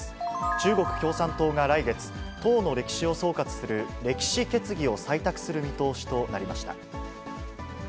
中国共産党が来月、党の歴史を総括する歴史決議を採択する見通しとなりました。